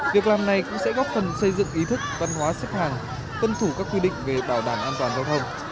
việc làm này cũng sẽ góp phần xây dựng ý thức văn hóa xếp hàng tuân thủ các quy định về bảo đảm an toàn giao thông